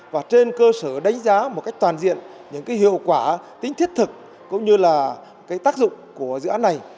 và trên cơ sở đánh giá một cách toàn diện những hiệu quả tính thiết thực cũng như là tác dụng của dự án này